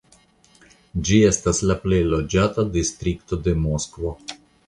Ĝi estas la plej loĝata distrikto de Moskvo.